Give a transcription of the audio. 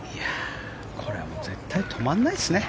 これはもう絶対止まらないですね。